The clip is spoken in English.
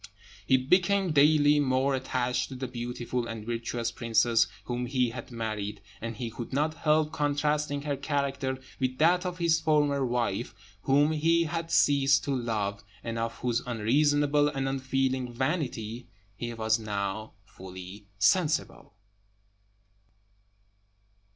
He became daily more attached to the beautiful and virtuous princess whom he had married; and he could not help contrasting her character with that of his former wife, whom he had ceased to love, and of whose unreasonable and unfeeling vanity he was now fully sensible.